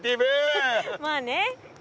まあね。